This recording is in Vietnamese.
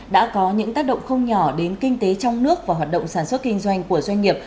đã có những tác động không nhỏ đến kinh tế trong nước và hoạt động sản xuất kinh doanh của doanh nghiệp